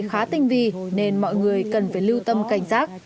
quá tinh vi nên mọi người cần phải lưu tâm cảnh sát